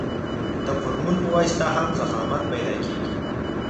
د فورمول په واسطه هم ضخامت پیدا کیږي